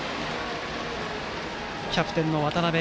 キャプテン、渡邊。